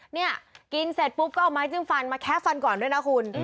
เนี่ยกินเสร็จปุ๊บก็เอาไม้จิ้มฟันมาแคะฟันก่อนด้วยนะคุณ